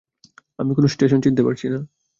আমি কোনো স্টেশন চিনতে পারছি না।